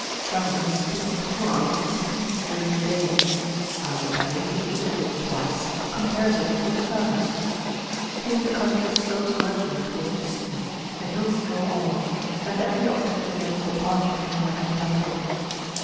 Travellers speak with horror of its heat during the day; Ali Bey, who visited it twice, compares it to a furnace. Here the country slopes gradually towards the sea, the hills draw off, and every object denotes departure from the Meccan plateau.